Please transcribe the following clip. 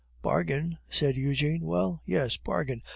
"Bargain?" said Eugene. "Well, yes, bargain.